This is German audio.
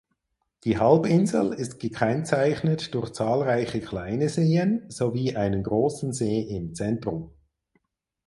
Die Halbinsel ist gekennzeichnet durch zahlreiche kleine Seen sowie einen großen See im Zentrum.